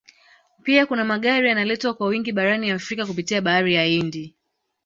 Pia kuna Magari yanaletwa kwa wingi barani Afrika kupitia Bahari ya Hindi